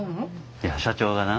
いや社長がな